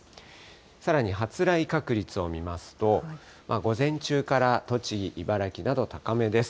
さらに発雷確率を見ますと、午前中から栃木、茨城など高めです。